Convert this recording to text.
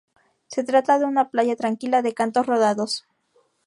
Se trata una playa tranquila de cantos rodados.